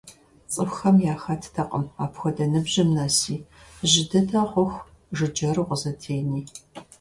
ЦӀыхухэм яхэттэкъым апхуэдэ ныбжьым нэси, жьы дыдэ хъуху жыджэру къызэтени.